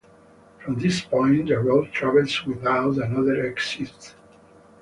From this point, the road travels without another exit.